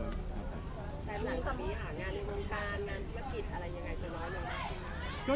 แต่หลังสักปีหางานในวงการงานธุรกิจอะไรยังไงจะร้อยมากนะ